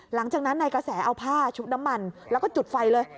หลังจากนั้นนายกระแสเอาผ้าชุบน้ำมันแล้วก็จุดไฟเลย